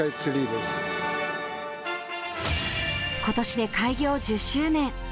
ことしで開業１０周年。